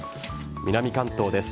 南関東です。